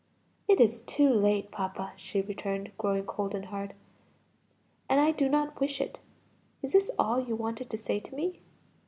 "It is too late, papa," she returned, growing cold and hard; "and I do not wish it. Is this all you wanted to say to me?"